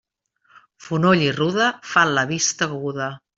Fonoll i ruda fan la vista aguda.